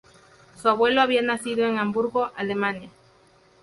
Su abuelo había nacido en Hamburgo, Alemania.